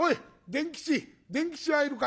伝吉伝吉はいるか？